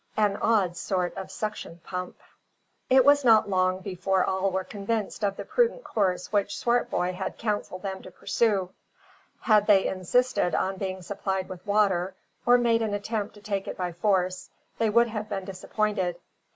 AN ODD SORT OF SUCTION PUMP. It was not long before all were convinced of the prudent course which Swartboy had counselled them to pursue. Had they insisted on being supplied with water, or made an attempt to take it by force, they would have been disappointed.